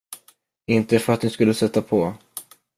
Inte för att ni skulle sätta på.